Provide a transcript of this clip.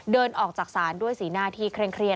เดินออกจากศาลด้วยสีหน้าที่เคร่งเครียด